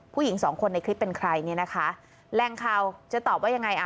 ผู้หญิงสองคนในคลิปเป็นใครแรงข่าวจะตอบว่ายังไง